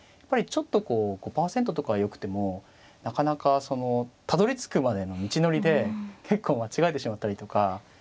ちょっと５％とかよくてもなかなかたどりつくまでの道のりで結構間違えてしまったりとか。